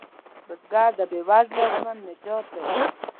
بزګر د بې وزله ژوند نجات دی